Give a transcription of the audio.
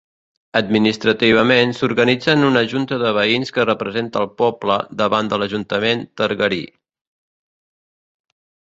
Administrativament s'organitza en una junta de veïns que representa al poble davant de l'Ajuntament targarí.